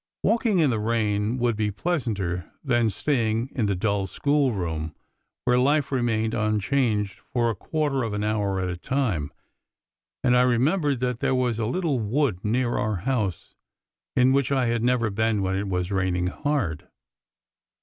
Walking in the rain would be pleasanter than staying in the dull schoolroom, where life remained unchanged for a quarter of an hour at a time ; and I remembered that there was a little wood near our house in which I had never been when it was raining hard.